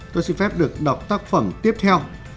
tôi xin phép được đọc tác phẩm tiếp theo